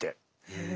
へえ。